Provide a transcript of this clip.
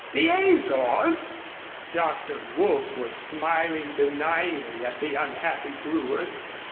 "The Azores!" Dr. Woolf was smiling benignly at the unhappy brewer.